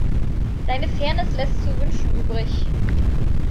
Deine Fairness lässt zu wünschen übrig.